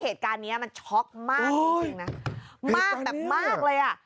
เหตุการณ์เนี้ยมันโชคมากเย็นมากแบบมากเลยอ่ะ